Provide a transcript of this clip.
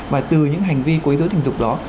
mà từ những hành vi quấy dối tình dục đó